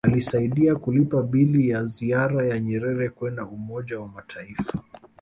Alisaidia kulipa bili ya ziara ya Nyerere kwenda Umoja wa Mataifa